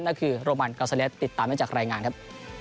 นั่นคือโรมันกอลซาเลสติดตามได้จากรายงานครับ